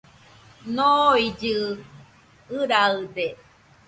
Noillɨɨ ɨraɨde